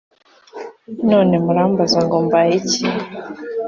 None murambaza ngo mbaye iki?